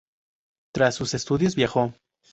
Tras sus estudios, viajó.